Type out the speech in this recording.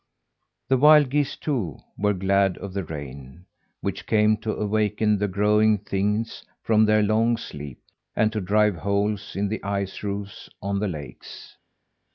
The wild geese, too, were glad of the rain which came to awaken the growing things from their long sleep, and to drive holes in the ice roofs on the lakes.